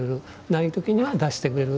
ない時には出してくれる。